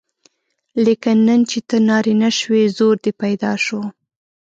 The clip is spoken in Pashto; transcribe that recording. لیکن نن چې ته نارینه شوې زور دې پیدا شو.